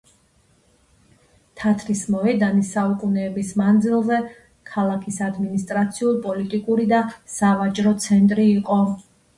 თათრის მოედანი საუკუნეების მანძილზე ქალაქის ადმინისტრაციულ-პოლიტიკური და სავაჭრო ცენტრი იყო.